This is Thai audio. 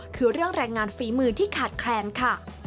คือเรื่องแรงงานฝีมือที่ขาดแคลนค่ะ